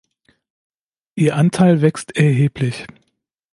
Ihr Anteil wächst erheblich.